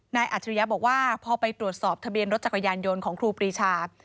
อัจฉริยะบอกว่าพอไปตรวจสอบทะเบียนรถจักรยานยนต์ของครูปรีชา